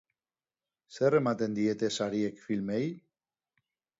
Zer ematen diete sariek filmei?